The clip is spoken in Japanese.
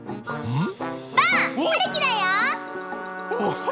うん！